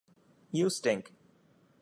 You stink.